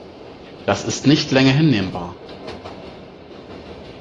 Das ist nicht länger hinnehmbar!